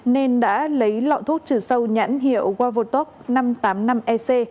nên đã lấy lọ thuốc trừ sâu nhãn hiệu wavotok năm trăm tám mươi năm ec